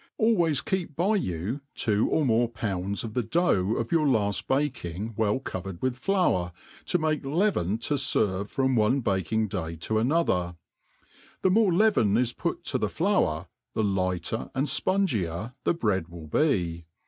. Always keep by you two or more pounds of the dough of your laft baking well covered with flour, to make leaven to kr\e from one baking day to another; the more leaven is put to the flour, the lighter and fpungier the bread will be.